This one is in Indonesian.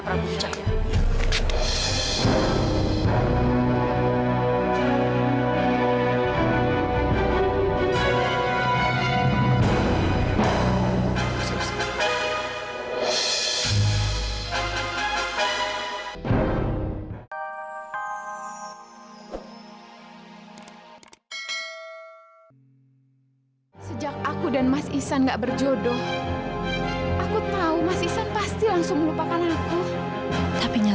sampai jumpa di video selanjutnya